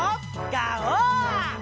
ガオー！